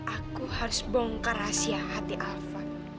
aku harus bongkar rahasia hati alfa